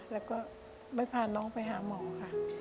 แล้วก็ไม่พาน้องไปหาหมอค่ะ